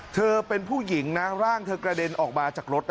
เธอเป็นผู้หญิงนะร่างเธอกระเด็นออกมาจากรถ